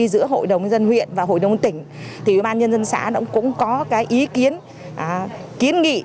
giữa hội đồng dân huyện và hội đồng tỉnh thì ủy ban nhân dân xã cũng có cái ý kiến kiến nghị